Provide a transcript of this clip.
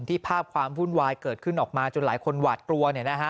ภาพความวุ่นวายเกิดขึ้นออกมาจนหลายคนหวาดกลัว